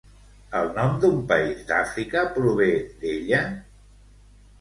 El nom d'un país d'Àfrica prové d'ella?